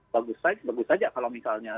bagus saja kalau misalnya